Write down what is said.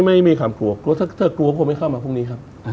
ไม่มีความกลัวกลัวถ้ากลัวคงไม่เข้ามาพรุ่งนี้ครับ